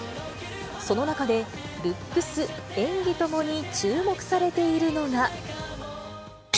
その中で、ルックス、演技ともに注目されているのが。